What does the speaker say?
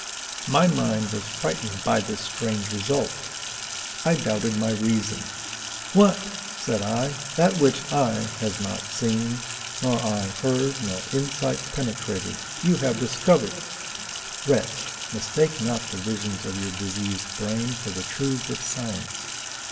My mind was frightened by this strange result: I doubted my reason. What! said I, that which eye has not seen, nor ear heard, nor insight penetrated, you have discovered! Wretch, mistake not the visions of your diseased brain for the truths of science!